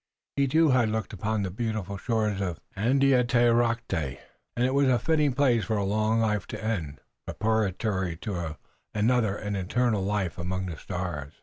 He, too, had looked upon the beautiful shores of Andiatarocte, and it was a fitting place for a long life to end, preparatory to another and eternal life among the stars.